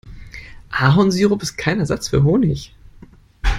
Ahornsirup ist kein Ersatz für Honig.